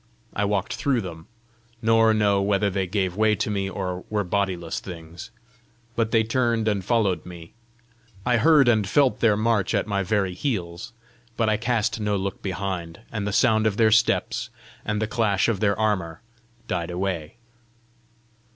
I walked through them nor know whether they gave way to me, or were bodiless things. But they turned and followed me; I heard and felt their march at my very heels; but I cast no look behind, and the sound of their steps and the clash of their armour died away.